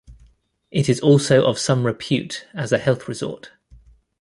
It is also of some repute as a health resort.